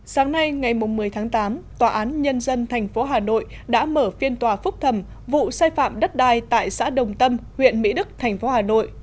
sáng nay ngày một mươi tháng tám tòa án nhân dân tp hà nội đã mở phiên tòa phúc thẩm vụ sai phạm đất đai tại xã đồng tâm huyện mỹ đức thành phố hà nội